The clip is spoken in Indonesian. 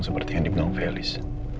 seperti yang dibilang felis